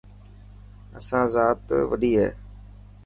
اسان زات وڏي هي.